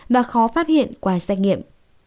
và khó phát hiện qua xét nghiệm